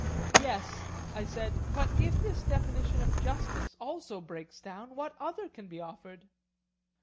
Yes, I said; but if this definition of justice also breaks down, what other can be offered?